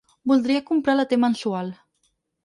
Voldria comprar la Te-mensual.